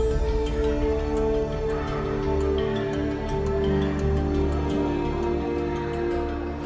kita harus menjaga kebangsaan